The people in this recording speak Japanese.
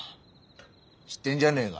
知ってんじゃねえが？